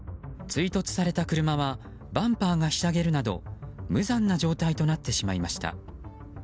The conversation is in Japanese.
追突された車はバンパーがひしゃげるなど無残な状態となってしまいました。